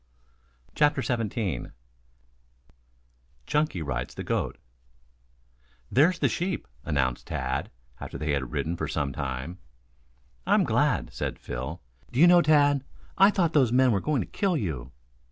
CHAPTER XVII CHUNKY RIDES THE GOAT "There's the sheep," announced Tad, after they had ridden on for some time. "I'm glad," said Phil, "do you know, Tad, I thought those men were going to kill you."